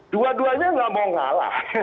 dua duanya nggak mau ngalah